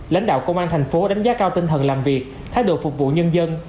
lãnh đạo công an thành phố đánh giá cao tinh thần làm việc thái độ phục vụ nhân dân